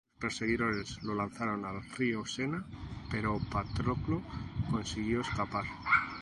Sus perseguidores lo lanzaron al río Sena, pero Patroclo consiguió escapar.